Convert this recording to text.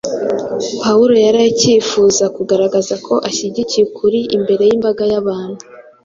Pawulo yari acyifuza kugaragaza ko ashigikiye ukuri imbere y’imbaga y’abantu;